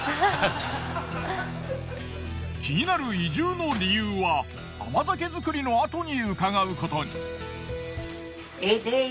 気になる移住の理由は甘酒作りのあとに伺うことに。